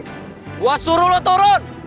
gue suruh lu turun